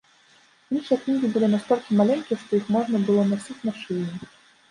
Іншыя кнігі былі настолькі маленькія, што іх можна было насіць на шыі.